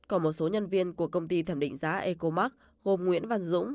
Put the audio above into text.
còn một số nhân viên của công ty thẩm định giá ecomark gồm nguyễn văn dũng